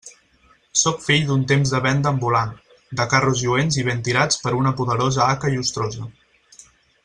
Sóc fill d'un temps de venda ambulant, de carros lluents i ben tirats per una poderosa haca llustrosa.